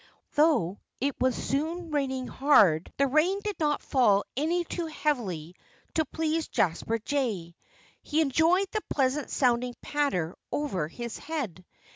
Though it was soon raining hard, the rain did not fall any too heavily to please Jasper Jay. He enjoyed the pleasant sounding patter over his head.